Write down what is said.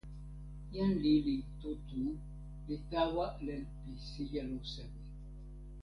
len lili tu tu li tawa len pi sijelo sewi.